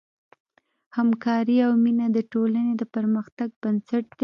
همکاري او مینه د ټولنې د پرمختګ بنسټ دی.